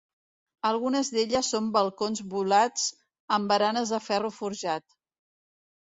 Algunes d'elles són balcons volats amb baranes de ferro forjat.